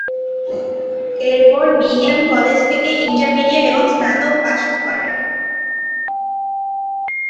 এরপর B M college থেকে intermediate এবং স্নাতক পাস করেন।